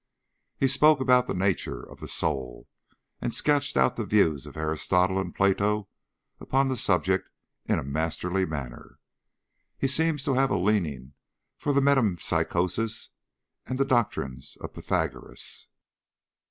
He spoke about the nature of the soul, and sketched out the views of Aristotle and Plato upon the subject in a masterly manner. He seems to have a leaning for metempsychosis and the doctrines of Pythagoras.